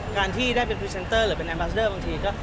การที่ได้เป็นพรีเซนเตอร์หรือเป็นนายบาสเดอร์บางทีก็